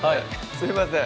すいません